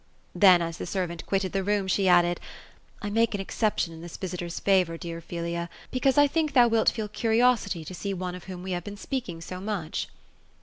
Then, as the servant quitted the room, she added :— ^^I make an exception in this visitor's favour, dear Opheliaj because I think thou wilt feel curiosity to see one of whom we have been speaking so much."